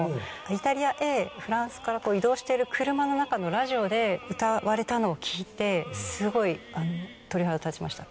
イタリアへフランスから移動している車の中のラジオで歌われたのを聴いてすごい鳥肌立ちました。